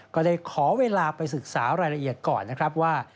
ก็ได้ขอเวลาไปศึกษารายละเอียดก่อนนะครับว่า